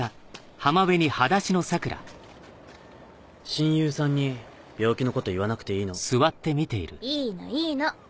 親友さんに病気のこと言わなくていいの？いいのいいの。